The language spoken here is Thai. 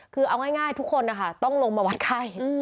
คือเอาง่ายทุกคนนะคะต้องลงมาวัดไข้